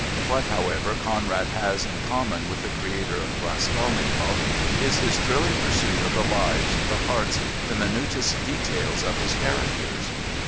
What, however, Conrad has in common with the creator of Raskolnikov is his thrilling pursuit of the lives, the hearts, the minutest details of his characters.